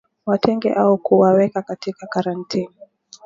Watenge au kuwaweka katika karantini